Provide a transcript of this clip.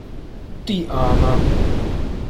Die Arme!